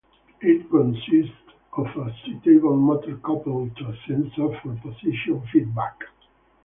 It consists of a suitable motor coupled to a sensor for position feedback.